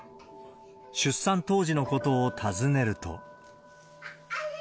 出産当時のことを尋ねると。